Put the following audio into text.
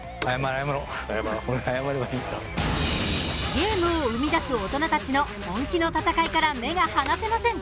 ゲームを生み出す大人たちの本気の戦いから目が離せません。